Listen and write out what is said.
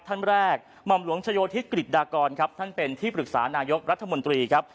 ท่านแรกหม่อมหลวงชโยธิศกริตดากรครับท่านเป็นที่ปรึกษานายกรัฐมนตรีครับ